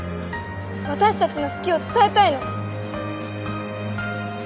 私たちの好きを伝えたいの！